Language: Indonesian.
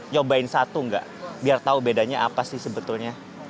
nyobain satu nggak biar tahu bedanya apa sih sebetulnya